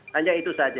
hanya itu saja